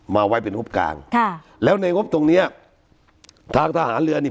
มาเอาไว้เป็นครุศกลางแล้วในครุศตรงนี้ทางทหารเรือนี้